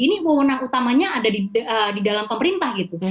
ini wawonan utamanya ada di dalam pemerintah gitu